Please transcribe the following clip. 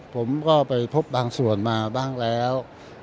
ผมก็ไปพบบางส่วนมาบ้างแล้ว